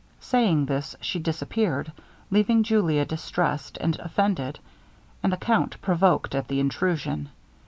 Saying this she disappeared, leaving Julia distressed and offended, and the count provoked at the intrusion.